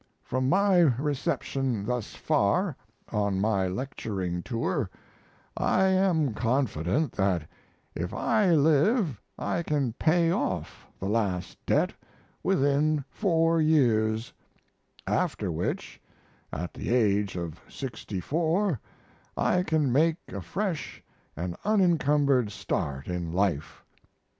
From my reception thus far on my lecturing tour I am confident that if I live I can pay off the last debt within four years, after which, at the age of sixty four, I can make a fresh and unincumbered start in life.